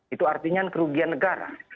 itu artinya kerugian negara